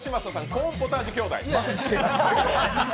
コーンポタージュ兄弟。